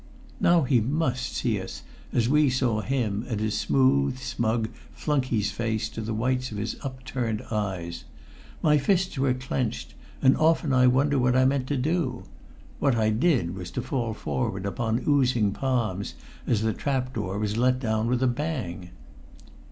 Now he must see us, as we saw him and his smooth, smug, flunkey's face to the whites of its upturned eyes! My fists were clenched and often I wonder what I meant to do. What I did was to fall forward upon oozing palms as the trap door was let down with a bang.